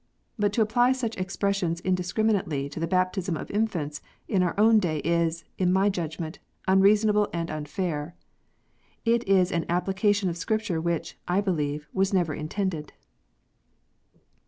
But to apply such expressions indiscriminately to the baptism of infants in our own day is, in my judgment, unreasonable and unfair. It is an application of Scripture which, I believe, was never intended.